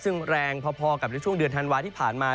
ซึ่งแรงพอกับในช่วงเดือนธันวาที่ผ่านมา